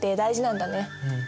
うん。